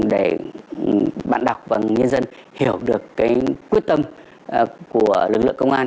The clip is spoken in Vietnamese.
để bạn đọc và nhân dân hiểu được quyết tâm của lực lượng công an